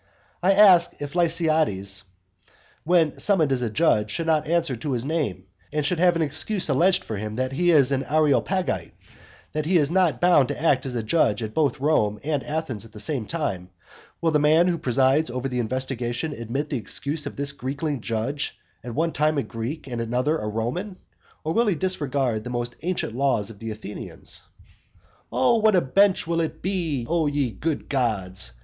I ask if Lysiades, when summoned as a judge, should not answer to his name, and should have an excuse alleged for him that he is an Areopagite, and that he is not bound to act as a judge at both Rome and Athens at the same time, will the man who presides over the investigation admit the excuse of this Greekling judge, at one time a Greek, and at another a Roman? Or will he disregard the most ancient laws of the Athenians? And what a bench will it be, O ye good gods!